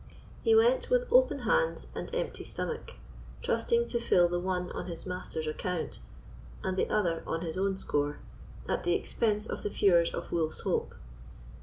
He went with open hands and empty stomach, trusting to fill the one on his master's account and the other on his own score, at the expense of the feuars of Wolf's Hope.